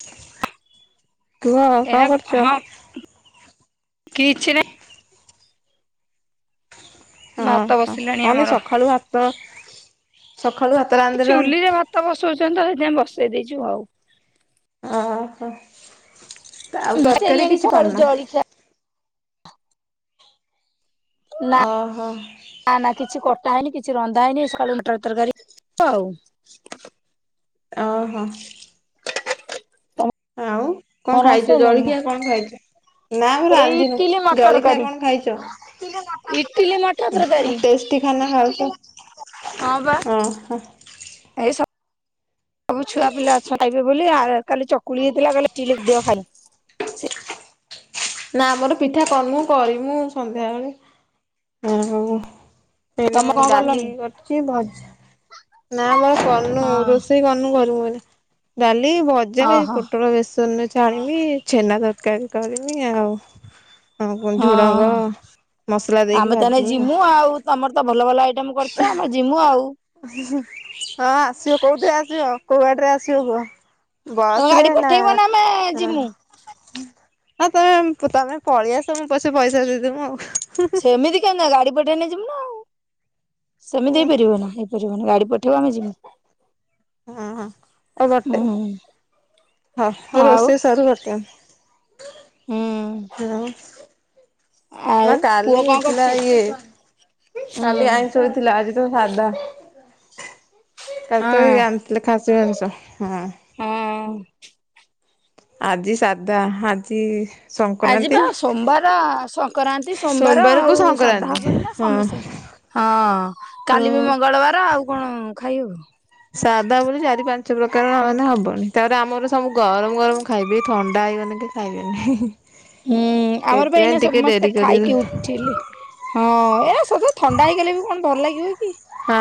[inaudible] କଣ ଏରା କରୁଛ? ହଁ କିଛି ନାଇ। ହଁ ଭାତ ହଁ ବସିଲାଣି ଅନି ଆମର। ସକାଳୁ ଭାତ ସକାଳୁ ଭାତ ରା ଚୁଲିରେ ଭାତ ବସଉଚନ୍ତି ତ ସେଥିପାଇଁ ବସେଇ ଦେଇଚୁ ଆଉ। ଅ ହଁ ଆଉ ତରକାରୀ ବସେଇଲେଣି କିଛି ସକାଳୁ କରିନ? ଜଳିଖିଆ ନା ଅ ହ। ନା ନା କିଛି କଟା ହେଇନି କିଛି ରନ୍ଧା ହେଇନି ସ କାଳୁ ମଟର ତରକାରୀ ତ ଆଉ। ଅହୋ। [inaudible] ଆଉ କଁ ତମର ଖାଇଚ ଆସିସାଇଲାଣି ନା? ଜଳଖିଆ କଣ ଖାଇଚ? ନା ଆମେ ଏଇ ରାନ୍ଧିନୁ, ଇଟିଲି ମଟର ଜଳଖିଆ ତରକାରୀ କଣ ଖାଇଚ? ଇଟିଲି ମଟର ତରକାରୀ ଦି ଟେଷ୍ଟି ଖାନା ଖାଉଚ, ହଁ ବା ଅହ। ଏଇ ସ ସବୁ ଛୁଆ ପିଲା ଅଛ ଖାଇବେ ବୋଲି ଆ କାଲି ଚକୁଳି ହେଇଥିଲା କାଲି ଟିଲିପ୍ ଦିଅ ଖାଇ ନା ଆମର ପିଠା କରିନୁ କରିମୁ ସନ୍ଧ୍ୟାବେଳେ। ଆଉ ତମେ ଏଇନା କଣ କଲଣି? ଡାଲି କରଚି ଭଜା ନା ବା କରନୁ ହଁ ରୋଷେଇ କରନୁ କରିମୁ ଗଲେ। ଡାଲି, ଭଜା ଏ ଓହୋ ପୋଟଳ ବେସନରେ ଛାଣିମି ଛେନା ତରକାରୀ କରିମି ଆଉ। ହଁ କଁ ଝୁଡଙ୍ଗ ମସଲା ଦେଇକି ତାନେ ଜିମୁ ଆଉ ତମର ତ ଭଲ ଭଲ ଆଇଟମ କରିଛ ଆମେ ଜିମୁ ଆଉ। ହଁ ଆସିବ, କୋଉଥିରେ ଆସିବ କୋଉଗାଡିରେରେ ଆସିବ କୁହ? ତମେ ବସରେ ଗାଡି ନା ପଠେଇବ ଆମେ ଯିମୁ ହ ତମେ ତମେ ପଳେଇଆସ ମୁଁ ପଛେ ପଇସା ଦେଇଦମୁ ଆଉ। ସେମିତି କେମିତି ହବ ଗାଡି ପଠେଇନେ ଯିବୁ ନା ଆଉ ହଁ ସେମିତି ହେଇପାରିବ ନା ହେଇପାରି ମୁନୁ ଗାଡି ପଠେଇବ ଆମେ ଯିମୁ। ହଁ ହ ଓ ବଟେଇ ହୁଁ ହଁ ଆଉ ରୋଷେଇ ସରୁ ବଟେଇବ। ହୁଁ ଆଉ। ନା ଆଉ ପୁଅ କାଲି କଣ ହେଇଥିଲା କରୁଛି? ଇଏ ହୁଁ କାଲି ଆଇଷ ଥିଲା, ଆଜି ତ ସାଧା କାଲି ତ ଇ ହଁ ଲି ଖାସି ମାଂସ ହଁ। ହଁ। ଆଜି ସାଧା ଆଜି ସଂକ୍ରାନ୍ତି ଆଜିିବା ସୋମବାର ସଂକ୍ରାନ୍ତି ସୋମବାର ସୋମବାରକୁ ଆଉ ସାଧା ସଂକ୍ରାନ୍ତି। ହବନି ନା, ହଁ। ସମସ୍ତେ ହଁ କାଲି ହଁ ବି ମଙ୍ଗଳବାର ଆଉ କଣ ଖାଇହବ। ସାଧା ବୋଲି ଚାରି ପାଞ୍ଚ ପ୍ରକାର ନହନେ ହବନି, ତାପରେ ଆମର ସବୁ ଗରମ ଗରମ ଖାଇବି ଥଣ୍ଡା ହେଇଗନେ କେଇ ଖାଇବେନି। ହୁଁ, ଆମର ପା ସେଥିପାଇଁ ଏଇନା ଟିକେ ଡେରି ସମସ୍ତେ କରି ଖାଇକି ଉଠିଲେ। ହଁ, ଏଇ ସବୁ ଥଣ୍ଡା ହେଇଗଲେ ବି କଣ ଭଲ ଲାଗିବ କି? ହଁ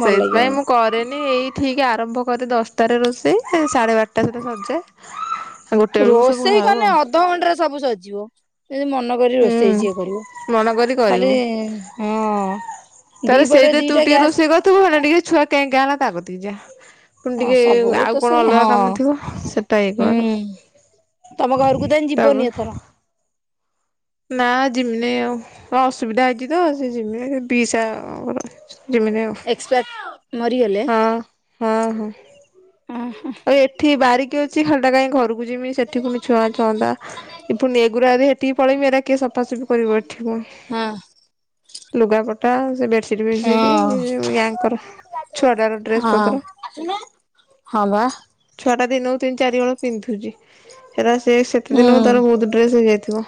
ଭଲ ଲାଗିବନି। ମୁଁ କରେନି ଏଇ ଠିକ୍ ଆରମ୍ଭ କରେ ଦଶଟାରେ ରୋଷେଇ ସାଢ଼େ ବାରଟା ସୁଦା ସରିଯାଏ। ଆଉ ଗୋଟେ ବେଳକୁ ସବୁ ରୋଷେଇ ଖାଉ କଲେ ଆଉ। ଅଧଘଣ୍ଟାରେ ସବୁ ସରିଜିବ ଯଦି ମନକରିବ ରୋଷେଇ ଯିଏ କରିବ। ହୁଁ ମନ କରି ଖାଲି କରିବୁ। ହଁ ଦି ତାହେଲେ ପଟ ରେ ସେଇଥିରେ ଦିଟା ଟିକେ ଗ୍ୟାସ ରୋଷେଇ ତୁ ହେଲେ ଟିକେ ଛୁଆ କେ କଁଆ ହେଲା ତା କତିକି ଯା। ପୁଣି ହଁ ଟିକେ ସବୁ ତ ଆଉ କଣ ସେଇ ଅଲଗା ହଁ କାମ ଥିବ ସେଟା ଇଏ କର। ହୁଁ ତମ ଘରକୁ ତାନେ ତାପ ଯିବନି ଏଥର? ନା ଜିମିନି ଆଉ କଣ ଅସୁବିଧା ହେଇଛି ତ ସେ ଜିମିନି ପିଇସା ଜମିନି ଆଉ ଏକ୍ସପାଟ ହଁ ହଁ ହଁ। ଅ ହଁ। ଆଉ ଏଠି ବାରିକି ଅଛି ଖାଲିଟା କାହିଁ ଘରକୁ ଜିମି ସେଠି ପୁଣି ଛୁଆ ଛୁନ୍ତା ଏ ପୁଣି ଏଗୁରା ଆଦି ହେଠିକି ପଳେଇବି ଏରା କିଏ ସଫାସଫି କର କରିିବା ଏଠି ପୁଣି। ହଁ। ଲୁଗା ପଟା ସେ ବେଡସିଟ ଫେଡସିଟ ୟାଙ୍କର ଛୁଆଟାର ହଁ ଡ୍ରେସ ପତ୍ର ହଁ ବା। ଛୁଆଟା ଦିନକୁ ତିନି ଚାରି ହଳ ପିନ୍ଧୁଚି। ସେରା ସେ ସେତେ ହୁଁ ଦିନକୁ ତାର ବହୁତ ଡ୍ରେସ୍ ହେଇଯାଇଥିବ।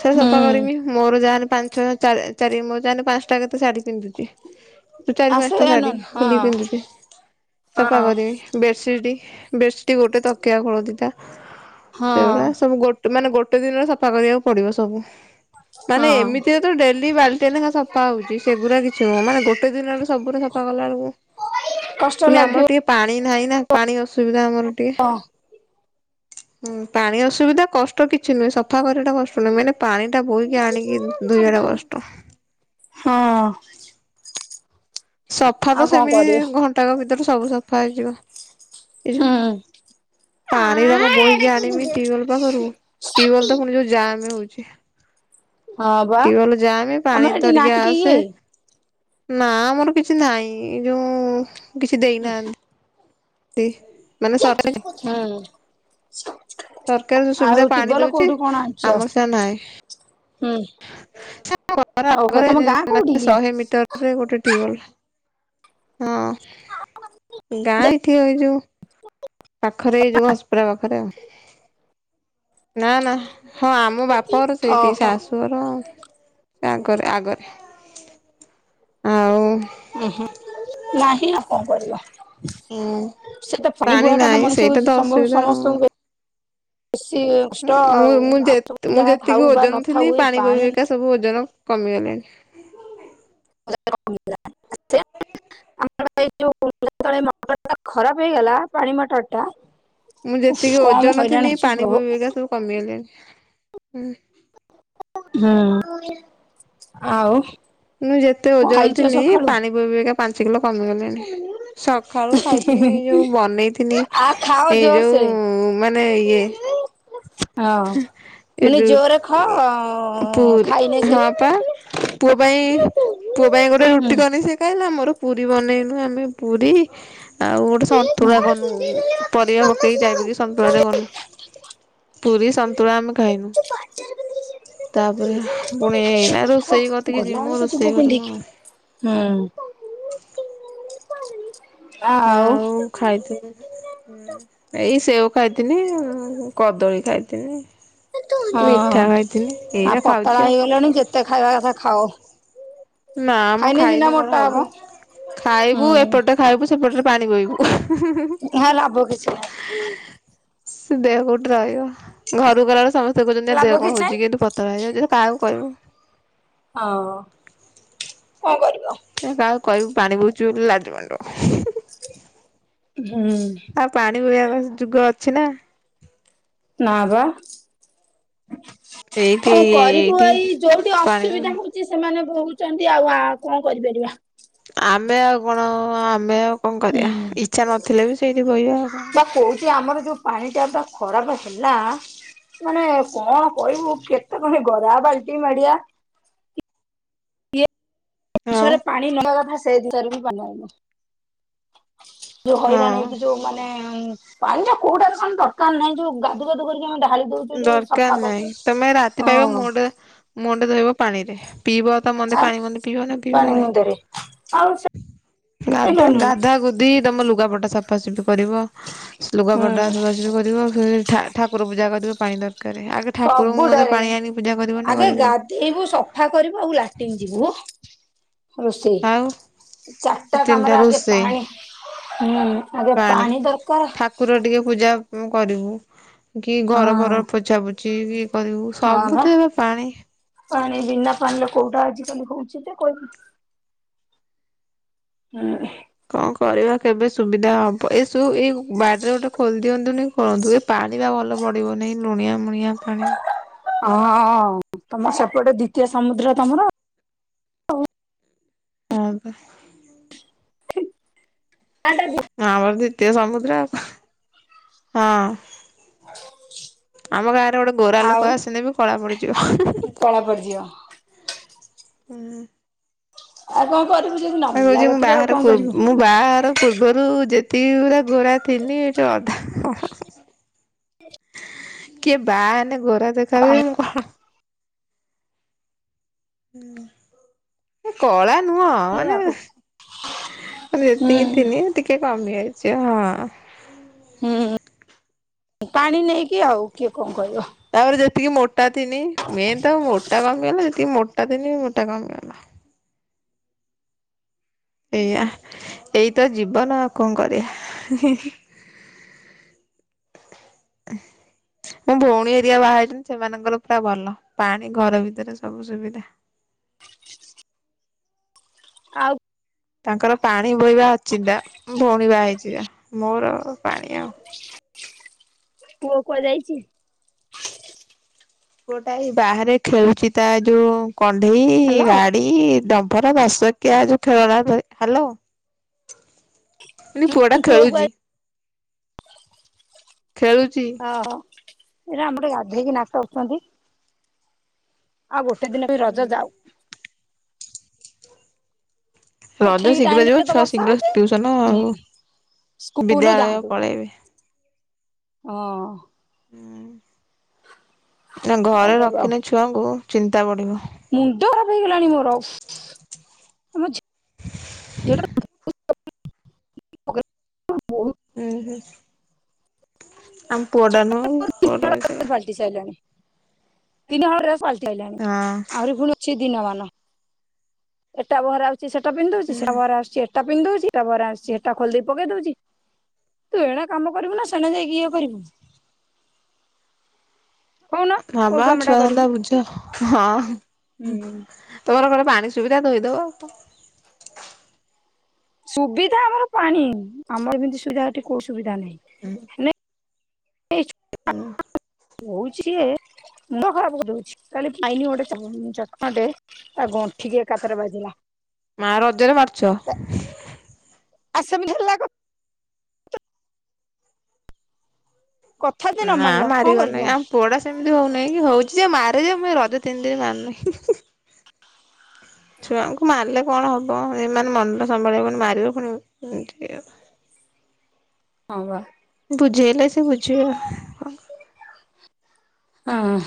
ସେରା ହୁଁ ସଫା କରିମି ମୋର ଯାହେନେ ପାଞ୍ଚ ଛ ଚା ଚାରି ମୋର ଯାହେନେ ପାଞ୍ଚଟା କେତେ ଶାଢୀ ପିନ୍ଧୁ ତ ଚାରି ଆସ ପାଞ୍ଚଟା ଶାଢୀ ନନ ହଁ ଖୋଲିକି ପିନ୍ଧୁଚି ସଫା ହଁ କରିବି। ବେଶିଟି ବେଶିଟ ଗୋଟେ ତକିଆ ଖୋଳ ଦିଟା। ସେଇରା ହଁ ସବୁ ଗୋଟେ ମାନେ ଗୋଟେ ଦିନରେ ସଫା କରିବାକୁ ପଡିବ ସବୁ। ମାନେ ହଁ ଏମିତିରେ ତ ଡେଲି ବାଲଟିଏ ଲେଖାଏ ସଫା ହଉଛି ସେଗୁରା କିଛି ନୁହଁ ଗୋଟେ ଦିନରେ ସବୁରା ସଫା ସଫା କଲା ବେଳକୁ କଷ୍ଟ ପୁଣି ଆମର ଲାଗିଵ ଟିକେ ପାଣି ନାହିଁ ନା ପାଣି ଅସୁବିଧା ଆମର ଟିକେ। ହୁଁ ପାଣି ଅସୁବିଧା କଷ୍ଟ କିଛି ନୁହେଁ ସଫା କରିବା ଟା କଷ୍ଟ ନୁହେଁ ମେନ ପାଣି ଟା ବୋହିକି ଆଣିକି ଧୋଇବା ଟା କଷ୍ଟ। ହଁ। ସଫା ତ ଆଉ କଣ ସେମିତି କରିବ ଘଣ୍ଟାକ ଭିତରେ ସବୁ ସଫା ହେଇଯିବ। ଏ ହୁଁ ଯୋଉ ପାଣିରକ ବୋହିକି ଆଣିମି ଟିୱଲ ସଫା କରିବୁ ଟିଓଲ ତ ପୁଣି ଯୋଉ ଜାମ ହଉଚି। ହଁ ବା ଟିୱଲ ଯାମେ ପାଣି ତମର ସେଠି ଧରିକି ନାହିଁ କି ଆସେ। ଇଏ ନା ଆମର କିଛି ନାହିଁ ଯୋଉ କିଛି ଦେଇନାହାନ୍ ନ୍ତି। ହଁ। ସରକାର ସୁବିଧା ପାଣି ଟ୍ୟୁବଲ ଦଉଚି କୋଉଠୁ କଣ ଆଣିଛ? ଆମର ସେରା ନାହିଁ। ହୁଁ ଘର ଓହୋ ତମ ଆଗରେ ଗାଁ କୋଉଠି [unintelligible] କି? ଶହେ ମିଟରରେ ଗୋଟେ ଟିୱଲ। ହଁ ଗାଁ ଏଠି ଏଇଯୋଉ ପାଖରେ ଏଇ ଯୋଉ ହସ୍ପିଟାଲ ପାଖରେ ଆଉ ନା ନା। ହଁ ଆମ ବାପର ସେଇଠି ଓହୋ ଶାଶୁ ଘ ର ସେ ଆଗରେ ଆଗରେ ଆଉ ଉଁ ହୁଁ ନାହିଁ ନା ଆଉ କଣ କରିବ? ସେ ତ ପାଣି ବୁହା ଟା ତ ନାହିଁ ସେଇଟା ମଣିଷକୁ ସମ୍ବୁ ଅସୁବିଧା ସମସ୍ତଙ୍କୁ ବେଶି ଉଁ ମୁଁ ମୁଁ ମୁଁ ଯେତ୍ ମୁଁ ଯେତିକି ବା ଓଜନ ନଥାଉ ଥିନି ଏ ପାଣି ବୋହି ବୋହି କା ସବୁ ଓଜନ କମିଗଲାଣି। [unintelligible] ଆମର ଏଇ ଯୋଉ ଯେତବେଳେ ମଟର ଟା ଖରାପ ହେଇଗଲା ପାଣି ମଟର ଟା। ମୁଁ ଯେତିକି କମ ଓଜନ ହଇରାଣ ଥିନି ହେଇଛୁ ପାଣି ପ୍ରଭୁ। ବୋହି ବୋହିକା ସବୁ କମିଗଲାଣି ହୁଁ। ହୁଁ ଆଉ। ମୁୁଁ ଯେତେ କଣ ଓଜନ ଖାଇଛ ଥିନି ସକାଳୁ? ପାଣି ବୋହି ବୋହି କା ପାଞ୍ଚ କିଲ କମିଗଲିଣି। ସକାଳୁ ଖାଇଥିନି ଏଇ ଯୋଉ ବନେଇଥିନି ଆ ଖାଅ ଏଇ ଯୋଉ ଜୋରସେ ମାନେ ଇଏ ହଁ ଏ ମାନେ ଜୋରରେ ଖାଅ ଯୋଉ [inaudible] ପୁରି ଖାଇନେ ହଁ ପା। ସେ ପୁଅ ପାଇଁ ପୁଅ ପାଇଁ ଗୋଟେ ହୁଁ। ରୁଟି କନି ସେ ଖାଇଲା ମୋର ପୁରୀ ବନେଇନୁ ଆମେ ପୁରୀ ଆଉ ଗୋଟେ ସନ୍ତୁଳା କନୁ। ପରିବା ପକେକି ଯାଇ ପକେକି ସନ୍ତୁଳା ଟେ କନୁ। ପୁରୀ ସନ୍ତୁଳା ଆମେ ଖାଇନୁ ତାପରେ ପୁଣି ନା ରୋଷେଇ କତିକି ଗଲା ଯିମୁ ବେଳକୁ ଯିବୁ ରୋଷେଇ କରିବୁ ପିନ୍ଧିକି। ଆଉ। ହୁଁ। ଆ ଆଉ। ଖାଇଥିନି। ହୁଁ ଏଇ ସେଓ ଖାଇଥିନି କଦଳୀ ଖାଇଥିନି। ହଁ ମିଠା ଖାଇଥିନି ଆଉ ଏଇରା ଖାଉଛି ପତଳା ଆଉ ହେଇଗଲଣି ଯେତେ ଖାଇବା କଥା ଖାଅ। ନା ମ ଖାଇଲେ ସିନା ଖାଇନେ ମୋଟା କଣ ହବ? ହୁଁ ଖାଇବୁ ଏପଟେ ଖାଇବୁ ସେପଟରେ ପାଣି ବୋହିବୁ। ହେ ଲାଭ କିଛି ନାହିଁ। [inaudible] ସେ ଦେହ କୋଉଟ ରହିବ ଘରକୁ ଗଲା ବେଳକୁ ସମ ମସ୍ତେ କହୁଚନ୍ତି ଆ ଲାଭ ଦେହ କଣ କିଛି ନାହିଁ। ହୋଉଚି କି ତୁ ପତଳା ହେଇଯାଉଚୁ କାହାକୁ କହିବୁ। ହଁଓ। କଣ କରିବ? ଏ କାହାକୁ କହିବୁ ପାଣି ବୋହୁଚୁ ବୋଲି ଲାଜ ମାଡ଼ିବ। [inaudible] ହୁଁ। ଆଉ ପାଣି ବୋହିବା ବ ଯୁଗ ଅଛି ନା? ନା ବା। [inaudible] ଏଇଠି କଣ କରିବୁ ଏଇଠି ଏଇ ଯୋଉଠି ପାଣି ଅସୁବିଧା ହୋଉ ଚି ସେମାନେ ବୋହୁଛନ୍ତି ଆଉ ଆ କଣ କରିପାରିବା? ଆମେ ଆଉ କଣ ଆମେ ଆଉ କଣ କରିବା ହୁଁ। ଇଚ୍ଛା ନଥିଲେ ବି ସେଇଠି ବୋହିବା ଆଉ କଣ କରିବା। କୋଉଚି ଆମର ଯୋଉ ପାଣି ଟ୍ୟାପଟା ଖରାପ ହେଲା ମାନେ କଣ କହିବୁ କେତେ ଖଣେ ଗରା ବାଲ୍ଟି ମାଡିଆ ଇଏ ଆଉ [unintelligible] ପାଣି ନ ନବା କଥା ସେଇ ଜିନିଷରେ ବି [unintelligible] ଯୋଉ ହଇରାଣ ହଁ ହେଇକି ଯୋଉ ମାନେ ପାଣିଟା କୋଉଟା ରେ କନି ଦରକାର ନାହିଁ ଯୋଉ ଗାଦୁଗାଦୁ କରିକି ଆମ ଢା ଦରକାର ନାହିଁ ତମେ ରାତି ପାଇବ ହଁ ମୁହଁ ଟେ ମୁହଁ ଟେ ଧୋଇବ ପାଣିରେ ପିଇଵ ତ ମନ୍ଦେ ଆଉ ପାଣି ମନ୍ଦେ ପିଇବ ନା ପାଣି ପିଇବନି [inaudible] ମୁନ୍ଦରେ ଆଉ ହୁଁ ଗାଧେ ଗାଧା ଗୁ ଦି ତମ ଲୁଗାପଟା ସଫାସୁଫି କରିବ ସ ଲୁଗାପଟା ସଫାସୁଫି କରିବ ଫେରେ ଠା ଠାକୁର ପୂଜା କରିବ ପାଣି ଦରକାର ଆଗେ ଠାକୁରଙ୍କୁ ମନ୍ଦେ ପାଣି ଆଣିକି ପୂଜା କରିବ ନା କରିବନି। ଏଇବୁ ସଫା କରିବୁ ଆଉ ଲାଟିନ୍ ଯିବୁ ହ ରୋଷେଇ ଆଉ ଚାରିଟା ତିନିଟା କାମରେ ଆଗେ ରୋଷେଇ ପାଣି ହୁଁ ଆଗେ ପାଣି ଦରକାର। କୁର ଟିକେ ପୂଜା ପ କରିବୁ କି ଘର ହଁ ଫର ପୋଛା ପୋଛି କି କରିବୁ ହଁ ସବୁ ବା ତ ଏବେ ପାଣି। ପାଣି ବିନା ପାଣିରେ କୋଉଟା ଆଜିକାଲି ହଉଛି ଯେ କହିବି। ଉଁ। କଣ କରିବା କେବେ ସୁବିଧା ହବ ଏସବୁ ଏଇ ବାଡିରେ ଗୋଟେ ଖୋଲିଦିଅନ୍ତୁନି। କରନ୍ତୁ ଏ ପାଣି ବା ଭଲ ପଡ଼ିବ ନାହିଁ ଲୁଣିଆ ମୁୁଣିଆ ପାଣି। ହଁ ତମ ସେପଟେ ଦ୍ଵିତୀୟ ସମୁଦ୍ର ତମର। ହଁ ପା। [unintelligible] ଆଁମର ଦ୍ୱିତୀୟ ସମୁଦ୍ର ହଁ। ଆମ ଗାଁ ରେ ଗୋଟେ ଗୋରା ଆଉ ଲୋକ ଆସିଲେ ବି କଳା ପଡିଯିବ। କଳା ପଡ଼ିଯିବ। ଉଁ। ଆଉ କଣ କରିବୁ ଯଦି ନ ମିଳିଲା କହୁଛି ମୁଁ କତୁରୁ ଆଉ ବାହାଘର କଣ ପୂର୍ବ କରିବୁ। ମୁଁ ବାହାଘର ପୂର୍ବରୁ ଯେତିକି ପୁରା ଗୋରା ଥିଲି ଏଠି ଅଧା କିଏ ବାହା ହେନେଗୋରା ଦେଖାହୁଏ ମୂ କଳା ହୁଁ ମୁଁ କଳା ନୁହଁ ମାନେ ଏତିକି ହୁଁ ଥିଲି। ଟିକେ କମିଯାଇଛି ହଁ। ହୁଁ ପାଣି ନେଇକି ଆଉ କିଏ କଣ କହିବ। ତାପରେ ଯେତିକି ମୋଟା ଥିନି ମେନ୍ ତ ମୋଟା କମି ଗଲା ଯେତିକି ମୋଟା ଥିନି ମୋଟା କମିଗଲା। ଏଇଆ ଏଇତ ଜୀବନ ଆଉ କଣ କରିବା। [inaudible] ମୋ ଭଉଣୀ ହେରିକା ବାହାହେଇଛନ୍ତି ସେମାନଙ୍କର ପୁରା ଭଲ ପାଣି ଘର ଭିତରେ ସବୁ ସୁବିଧା। ଆଉ ତାଙ୍କର ପାଣି ବୋହିବା ଅଚିନ୍ତା ମୋଭଉଣି ବାହା ହୋଇଚି ଯା ମୋର ପାଣି ଆଉ ପୁଅ କୁଆ ଯାଇଛି? ପୁଅଟା ଏଇ ବାହାରେ ଖେଳୁଛି ତା ଯୋଉ କଣ୍ଢେଇ ହ୍ୟାଲୋ ଗାଡି ଏଇ ଡମ୍ଫର ଦସଚକିଆ ଯୋଉ ଖେଳନା ଧରି ହାଲୋ ମୁଁ କହିଲି ପୁଆଟା ପୁଅ ଖେଳୁଛି। କୁଆଡେ ଖେଳୁଛି। ଓଃ ହ ଏଇଟା ଆମ ଟେ ଗାଧେଇକି ନାଟ କୁଚନ୍ତି। ଆଉ ଗୋଟେ ଦିନ ରେ ରଜ ଯାଉ। ତ ରଜ ଠିକ ଟାଇମ ଶୀଘ୍ର ଯିବ ରେ ତ ଛୁଆ ବର୍ଷା ଶୀଘ୍ର ହଉଛି। ଟ୍ୟୁସନ ଆଉ ହୁଁ ସ୍କୁଲ ବିଦ୍ୟାଳୟ ଯାଆନ୍ତୁ ପଳେଇବେ। ହଁ। ହୁଁ, କଣ ଘରେ କରିବା ଆଉ ରଖିଲେ ଛୁଆଙ୍କୁ ଚିନ୍ତା ବଢିବ। ମୁଣ୍ଡ ଖରାପ ହେଇଗଲାଣି ମୋର ଆମ [unintelligible] ହୁଁ ହୁଁ ଆମ ପୁଅଟା ନୁହଁ କି ପୁଅଟା ବି ସୋୟା। ଟି ସାରିଲାଣି ତିନିହଳ ଡ୍ରେସ ପାଲଟି ସାରିଲାଣି। ହ। ଫୁଣି ଅଛି ଦିନମାନ ଏଟା ବଅରାଆଉଛି ସେଟା ପିନ୍ଧି ଦଉଛି ସେଟା ବଅରେ ଆଉଛି ସେ ସୋଟା ପିନ୍ଧ ଦେଉଛି ତା ଭରେ ଆସୁଛି ସେ ଟା ଖୋଲି ଦେଇ ପକେଇ ଦଉଛି। ତୁ ଏଣେ କାମ କରିବୁ ନା ସେଣେ ଯାଇକି ଇଏ କରିବୁ। କହୁନ ହ କୋଉ ବା କାମଟା ଛୁଆ କରିବୁ ଧନ୍ଦା ବୁଝ ହଁ। ହୁଁ ତମର ଘରେ ପାଣି ସୁବିଧା ଧୋଇଦବ ସୁବିଧା ଆମର ପାଣି ଆମର ଏମିତି ସୁବିଧା ଏଠି କୋଉ ସୁବିଧା ନାହିଁ। ହୁଁ। ହୋଉଚି ଯେ ମୁଣ୍ଡ ଖରାପ କରି ଦୋଉଚି କାଲି ମାଇନି ଗୋଟେ ଚଟକଣାଟେ ତା ଗଣ୍ଠିିକି ଏକାତରେକେ ବାଜିଲା। ମା ରଜରେ ମାରୁଚ। ଆଉ ସେମିତି ହେଲାବେଳକୁ କଥା ଯଦି ନ ନାଁ ମାନିଲ କଣ ମାାରିବନି କରିବ? ଆମ ପୁଅଟା ସେମିତି ହିଁଉନିକି ହୋଉଚି ଯେ ମାରେ ଯେ ମୁଁ ରଜ ତିନି ଦିନ ମାରୁନାହିଁ। ଛୁଆଙ୍କୁ ମାରିଲେ କଣ ହବ ଏ ମନଟା ସମ୍ଭାଳିହବନି ମାରିବ ପୁଣିତି ଏମିତି ଆଉ। ହଁପା। ବୁଝେଇଲେ ସେ ବୁଝିବ। ହଁ।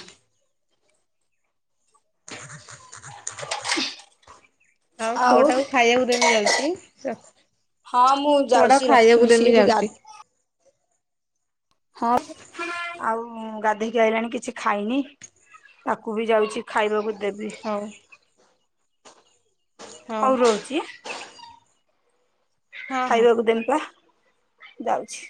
ତମ ଆଉ ପୁଅ ଟାକୁ ଖାଇବାକୁ ଦେମି ଯାଉଚି ରଖିଚି। ହଁ ମୁଁ ଯାଉଛି ପୁଅଟାକୁ ରଖିମି ଖାଇବାକୁ ସିଏ ଦେମି ବି ଗା ଯାଉଚି। ହଁ ପା ଆଉ ଗାଧୋଇକି ଆଇଲାଣି କିଛି ଖାଇନି ତାକୁ ବି ଯାଉଚି ଖାଇବାକୁ ଦେବି। ହଉ ହଉ ହୋଉ ରହୁଚି ହଁ ହଁ। ଖାଇବାକୁ ଦେମି ପା। ଯାଉଚି।